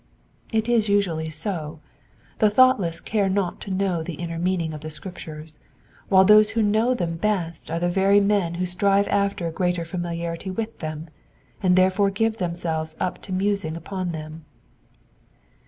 It is usually so ; the thoughtless care not to know the inner meaning of the Scriptures, while those who know them best are the very men who strive after a greater familiarity with them, and therefore give themselves up to musing upon them.